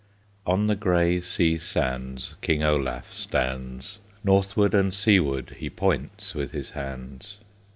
On the gray sea sands King Olaf stands, Northward and seaward He points with his hands.